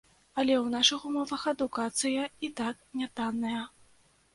Але ў нашых умовах адукацыя і так нятанная.